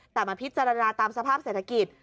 แต่มาพิจารณาตามสภาพเศรษฐกิจ